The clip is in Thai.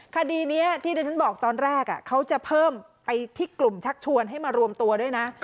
คดีนี้ที่ดิฉันบอกตอนแรกเขาจะเพิ่มไปที่กลุ่มชักชวนให้มารวมตัวด้วยนะ